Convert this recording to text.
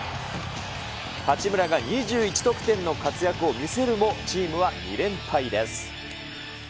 八村が２１得点の活躍を見せるも、チームは２連敗です。